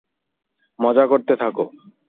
মজা করতে থাকো!